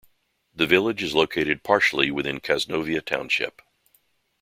The village is located partially within Casnovia Township.